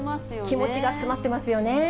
気持ちが詰まってますよね。